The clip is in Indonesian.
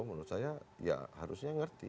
menurut saya ya harusnya ngerti